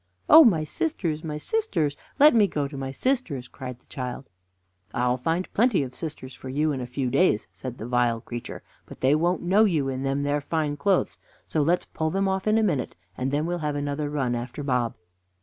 "Oh, my sisters! my sisters! Let me go to my sisters!" cried the child. "I'll find plenty of sisters for you in a few days," said the vile creature; "but they won't know you in them there fine clothes; so let's pull them off in a minute, and then we'll have another run after Bob."